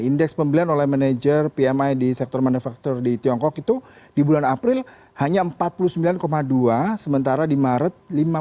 indeks pembelian oleh manajer pmi di sektor manufaktur di tiongkok itu di bulan april hanya empat puluh sembilan dua sementara di maret lima